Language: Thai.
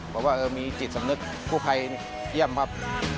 บอกว่ามีจิตสำนึกกู้ภัยเยี่ยมครับ